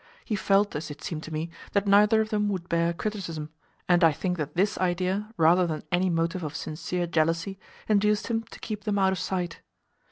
He felt, as it seemed to me, that neither of them would bear criticism, and I think that this idea, rather than any motive of sincere jealousy, induced him to keep them out of sight.